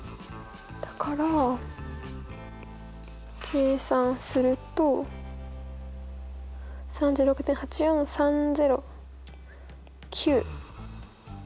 だから計算すると３６．８４３０９。